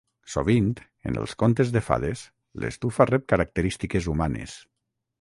Sovint, en els contes de fades, l'estufa rep característiques humanes.